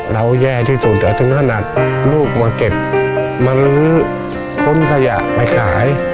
เราแย่ที่สุดถึงขนาดลูกมาเก็บมาลื้อค้นขยะไปขาย